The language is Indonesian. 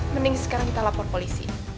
mending sekarang kita lapor polisi